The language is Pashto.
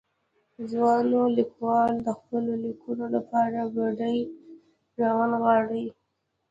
ځوانو ليکوالو د خپلو ليکنو لپاره بډې را ونغاړلې.